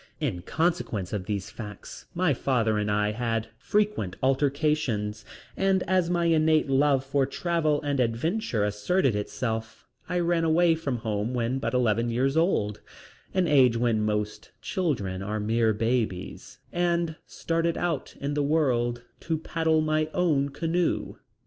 In consequence of these facts my father and I had frequent altercations and as my innate love for travel and adventure asserted itself I ran away from home when but eleven years old, an age when most children are mere babies, and started out in the world to paddle my own canoe.